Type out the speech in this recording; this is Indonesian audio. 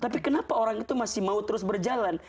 tapi kenapa orang itu masih mau terus berjalan